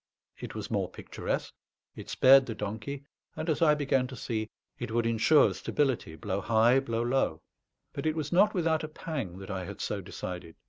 It was more picturesque, it spared the donkey, and, as I began to see, it would ensure stability, blow high, blow low. But it was not without a pang that I had so decided.